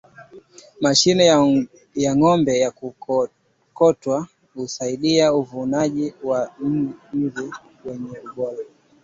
mashine ya ngOmbe ya kukokotwa husaidia uvunaji wa vzi wenye ubora